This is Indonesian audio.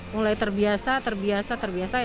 mulai terbiasa terbiasa terbiasa